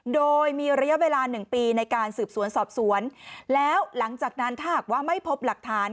โดยมีระยะเวลาหนึ่งปีในการสืบสวนสอบสวนแล้วหลังจากนั้นถ้าหากว่าไม่พบหลักฐาน